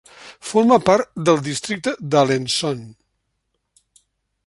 Forma part del districte d'Alençon.